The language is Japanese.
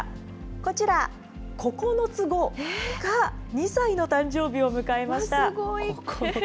こちら、９つ子が２歳の誕生日を迎えました。